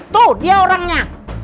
tuh dia orangnya